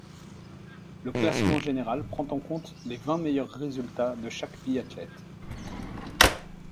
Le classement général prend en compte les vingt meilleurs résultats de chaque biathlète.